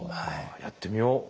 やってみよう。